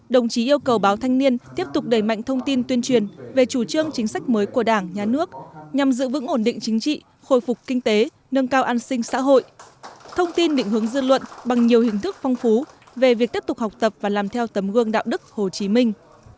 đồng chí yêu cầu báo thanh niên tiếp tục đẩy mạnh thông tin tuyên truyền về chủ trương chính sách mới của đảng nhà nước nhằm giữ vững ổn định chính trị khôi phục kinh tế nâng cao an sinh xã hội thông tin định hướng dư luận bằng nhiều hình thức phong phú về việc tiếp tục học tập và làm theo tấm gương đạo đức hồ chí minh